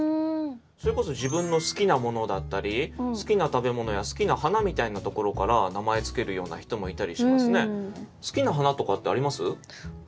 それこそ自分の好きなものだったり好きな食べ物や好きな花みたいなところから名前付けるような人もいたりしますね。